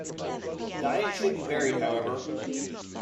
Diet should be varied however.